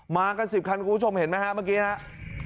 มากัน๑๐คันคุณผู้ชมเห็นไหมฮะเมื่อกี้ครับ